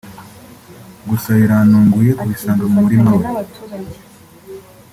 Gusa birantunguye kubisanga mu murima we